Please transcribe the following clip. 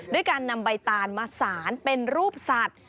ด้วยการนำใบตานมาสารเป็นรูปสัตว์